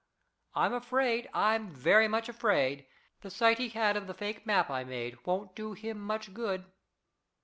I'm afraid, I'm very much afraid, the sight he had of the fake map I made won't do him much good.